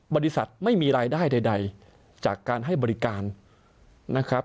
บริษัทไม่มีรายได้ใดจากการให้บริการนะครับ